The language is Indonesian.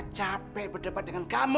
capek berdebat dengan kamu